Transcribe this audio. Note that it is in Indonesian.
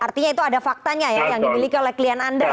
artinya itu ada faktanya ya yang dimiliki oleh klien anda ya